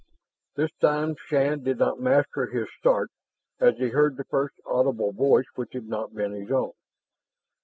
This time Shann did not master his start as he heard the first audible voice which had not been his own.